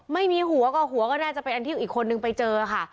ไม่มีหัวก็หัวก็น่าจะเป็นอันที่อีกคนนึงไปเจอค่ะ